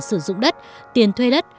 sử dụng đất tiền thuê đất